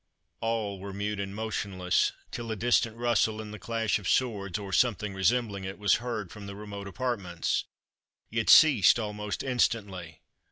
All were mute and motionless, till a distant rustle, and the clash of swords, or something resembling it, was heard from the remote apartments. It ceased almost instantly.